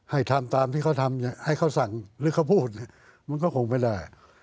ให้ทำตามที่เขาทำให้เขาสั่งหรือเขาพูดเนี่ยมันก็คงไม่ได้